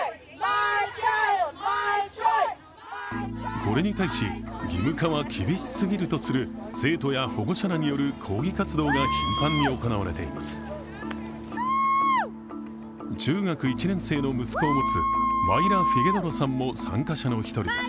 これに対し、義務化は厳しすぎるとする生徒や保護者らによる抗議活動が頻繁に行われています。